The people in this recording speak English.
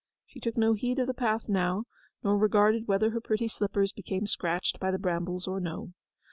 She took no heed of the path now, nor regarded whether her pretty slippers became scratched by the brambles or no.